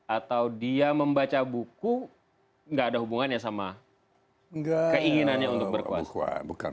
atau dia membaca buku nggak ada hubungannya sama keinginannya untuk berkuasa